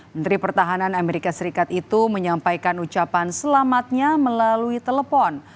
menteri pertahanan amerika serikat itu menyampaikan ucapan selamatnya melalui telepon